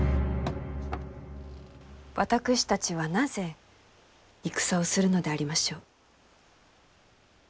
私たちはなぜ戦をするのでありましょう？